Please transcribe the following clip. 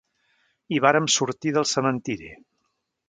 ...i vàrem sortir del cementiri.